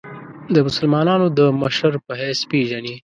د مسلمانانو د مشر په حیث پېژني.